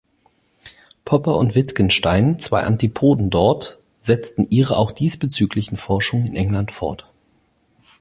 Popper und Wittgenstein, zwei Antipoden dort, setzten ihre auch diesbezüglichen Forschungen in England fort.